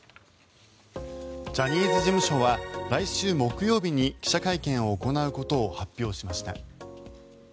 ジャニーズ事務所は来週木曜日に記者会見を行うことを発表しました。